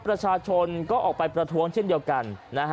ประชาชนก็ออกไปประท้วงเช่นเดียวกันนะฮะ